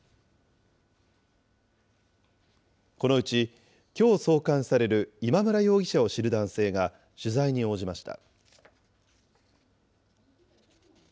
このうちきょう送還される今村容疑者を知る男性が、取材に応じました。